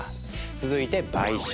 続いて「買収」。